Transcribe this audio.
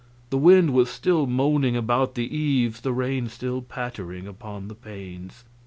The wind was still moaning about the eaves, the rain still pattering upon the panes.